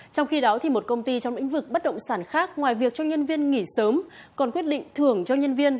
trong khi đó một công ty trong lĩnh vực bất động sản khác ngoài việc cho nhân viên nghỉ sớm còn quyết định thưởng cho nhân viên